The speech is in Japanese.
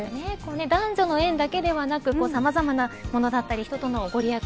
男女の縁だけではなくさまざまなものだったり人との御利益。